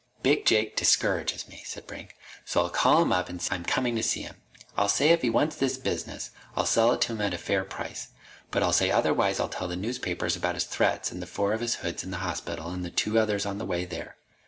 "Big Jake discourages me," said Brink. "So I'll call him up and say I'm coming to see him. I'll say if he wants this business I'll sell it to him at a fair price. But I'll say otherwise I'll tell the newspapers about his threats and the four of his hoods in the hospital and the two others on the way there.